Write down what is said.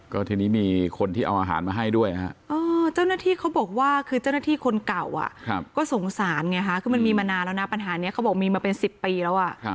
ก็ทีนี้มีคนที่เอาอาหารมาให้ด้วยฮะเจ้าหน้าที่เขาบอกว่าคือเจ้าหน้าที่คนเก่าก็สงสารไงฮะคือมันมีมานานแล้วนะปัญหานี้เขาบอกมีมาเป็น๑๐ปีแล้ว